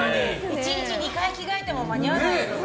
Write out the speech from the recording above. １日２回着替えても間に合わない。